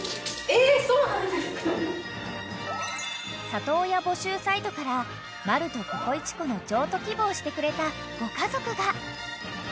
［里親募集サイトからマルとココイチ子の譲渡希望してくれたご家族が］